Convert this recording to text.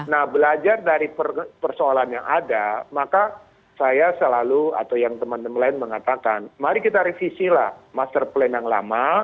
nah belajar dari persoalan yang ada maka saya selalu atau yang teman teman lain mengatakan mari kita revisi lah master plan yang lama